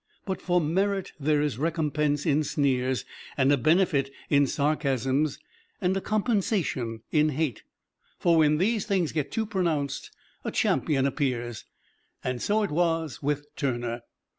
But for merit there is a recompense in sneers, and a benefit in sarcasms, and a compensation in hate; for when these things get too pronounced a champion appears. And so it was with Turner.